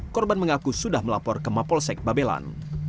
korban mengaku sudah melapor ke mapolsek babelan